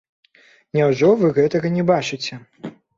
Няўжо вы гэтага не бачыце?